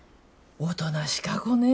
おとなしか子ね。